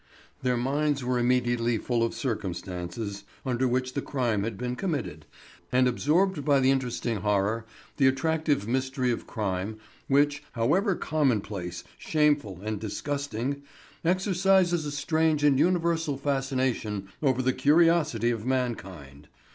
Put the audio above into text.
Their minds were immediately full of the circumstances under which the crime had been committed, and absorbed by the interesting horror, the attractive mystery of crime, which, however commonplace, shameful, and disgusting, exercises a strange and universal fascination over the curiosity of mankind.